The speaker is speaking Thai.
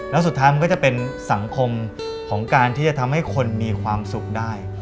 แล้วสุดท้ายมันก็จะเป็นสังคมของการที่จะทำให้คนมีความสุขได้